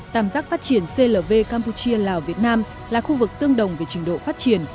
tạm giác phát triển clv campuchia lào việt nam là khu vực tương đồng về trình độ phát triển